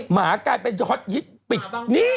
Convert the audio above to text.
หมากลายเป็นฮอตยิ้ดปิดนิ